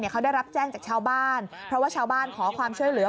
เขาได้รับแจ้งจากชาวบ้านเพราะว่าชาวบ้านขอความช่วยเหลือ